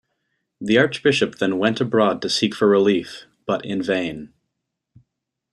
The archbishop then went abroad to seek for relief, but in vain.